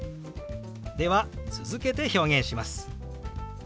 では続けて表現します。